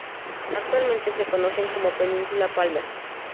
Actualmente se conocen como península Palmer.